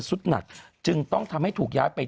สุดหนักจึงต้องทำให้ถูกย้ายไป